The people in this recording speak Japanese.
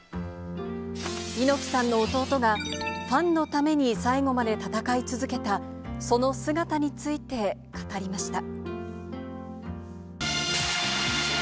猪木さんの弟が、ファンのために最後まで闘い続けたその姿について語りました。